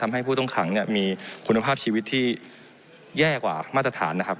ให้ผู้ต้องขังเนี่ยมีคุณภาพชีวิตที่แย่กว่ามาตรฐานนะครับ